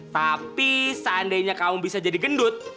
tapi seandainya kaum bisa jadi gendut